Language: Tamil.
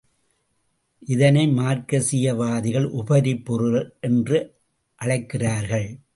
இதனை மார்க்சீயவாதிகள் உபரிப்பொருள் என்று அழைக்கிறார்கள்.